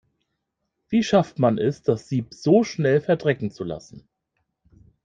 Wie schafft man es, das Sieb so schnell verdrecken zu lassen?